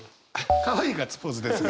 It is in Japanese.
かわいいガッツポーズですが。